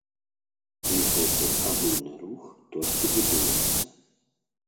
І гэты агульны рух толькі будуецца.